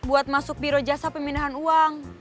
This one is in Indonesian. buat masuk biro jasa pemindahan uang